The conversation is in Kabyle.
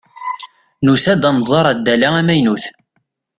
Nusa-d ad nẓer addal-a amaynut.